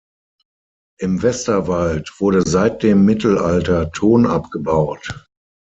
Im Westerwald wurde seit dem Mittelalter Ton abgebaut.